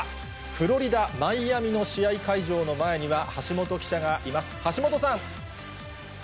フロリダ・マイアミの試合会場の前には、橋本記者がいます。